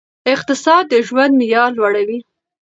اقتصاد د ژوند معیار لوړوي.